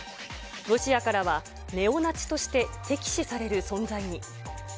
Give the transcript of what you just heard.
ロシアからはネオナチとして、敵視される存在に。